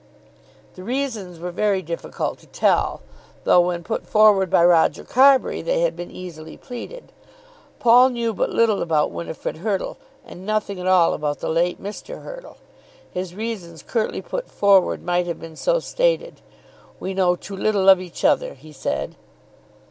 The reasons were very difficult to tell, though when put forward by Roger Carbury they had been easily pleaded. Paul knew but little about Winifrid Hurtle, and nothing at all about the late Mr. Hurtle. His reasons curtly put forward might have been so stated. "We know too little of each other," he said.